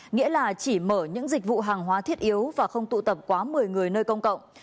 nghĩa là chỉ mở những dịch vụ hàng hóa thiết yếu và không tụ tập quá một mươi người nơi công cộng